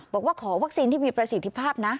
บอกว่าขอวัคซีนที่มีประสิทธิภาพนะ